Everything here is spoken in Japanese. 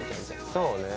そうね。